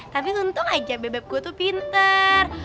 tapi untung aja bebe gue tuh pinter